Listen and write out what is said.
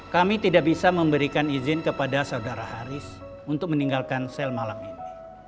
kami tidak bisa memberikan izin kepada saudara haris untuk meninggalkan sel malam ini